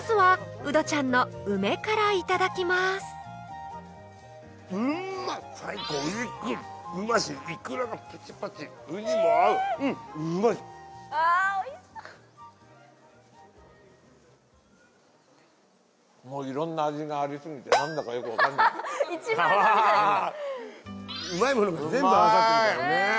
うまいものが全部合わさってるからね。